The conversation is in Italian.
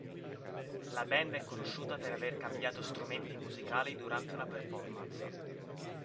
La band è conosciuta per aver cambiato strumenti musicali durante una performance.